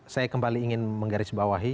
saya kembali ingin menggarisbawahi